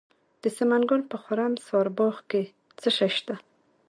د سمنګان په خرم سارباغ کې څه شی شته؟